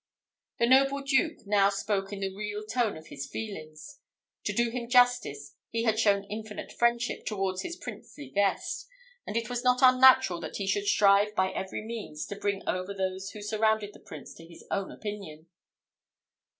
The noble duke now spoke in the real tone of his feelings. To do him justice, he had shown infinite friendship towards his princely guest; and it was not unnatural that he should strive by every means to bring over those who surrounded the Prince to his own opinion.